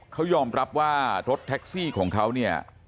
เขายอมรับว่ารถแท็กซี่ของเขาเนี่ย